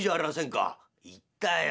「行ったよ。